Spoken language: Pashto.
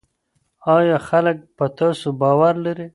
آیا خلک په تاسو باور لري؟